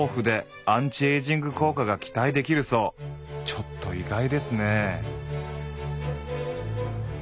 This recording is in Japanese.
ちょっと意外ですね。